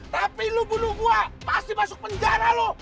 tapi lu bunuh gua pasti masuk penjara lu